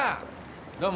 どうも。